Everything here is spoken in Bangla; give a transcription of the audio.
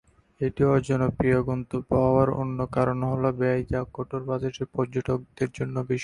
এটি অজনপ্রিয় গন্তব্য হওয়ার অন্য কারণ হল ব্যয়, যা কঠোর বাজেটের পর্যটকদের জন্য বেশি।